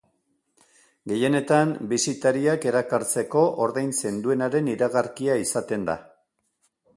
Gehienetan bisitariak erakartzeko ordaintzen duenaren iragarkia izaten da.